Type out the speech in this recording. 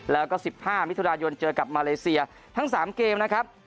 แล้วก็๑๕มิถุนายนเจอกับมาเลเซียทั้ง๓เกมนะครับ